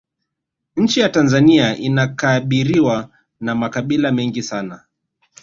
nchi ya tanzania inakabiriwa na makabila mengi sana